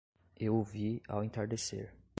Eu o vi ao entardecer